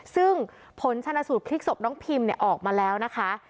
ซึ่งผลชนสูตรพลิกศพน้องพิมออกมาแล้วนะคะ